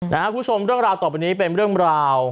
คุณผู้ชมเรื่องราวต่อไปนี้เป็นเรื่องราว